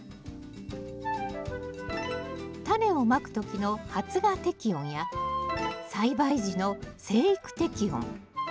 タネをまく時の発芽適温や栽培時の生育適温。